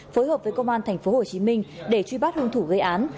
phối hợp với công an thành phố hồ chí minh để truy bắt hương thủ gây án